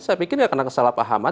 saya pikir ya karena kesalahpahaman